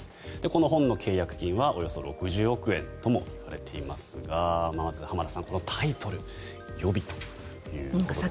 この本の契約金はおよそ６０億円ともいわれてますがまず浜田さん、このタイトル予備ということですが。